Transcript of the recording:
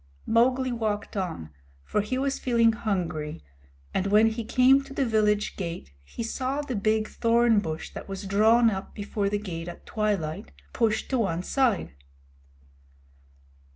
Mowgli walked on, for he was feeling hungry, and when he came to the village gate he saw the big thorn bush that was drawn up before the gate at twilight, pushed to one side.